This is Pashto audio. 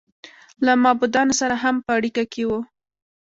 له معبودانو سره هم په اړیکه کې و.